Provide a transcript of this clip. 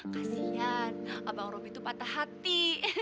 kasian abang robi tuh patah hati